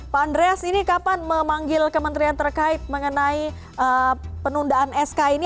pak andreas ini kapan memanggil kementerian terkait mengenai penundaan sk ini